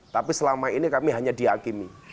tapi selama ini kami hanya dihakimi